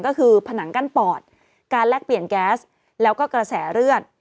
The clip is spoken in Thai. ก็คือผนังกั้นปอดการแลกเปลี่ยนแก๊สแล้วก็กระแสเลือด